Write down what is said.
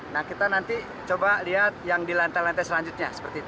nah kita nanti coba lihat yang di lantai lantai selanjutnya